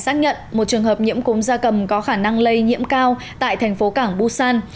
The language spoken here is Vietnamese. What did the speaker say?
xác nhận một trường hợp nhiễm cúm da cầm có khả năng lây nhiễm cao tại thành phố cảng busan